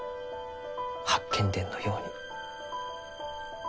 「八犬伝」のように。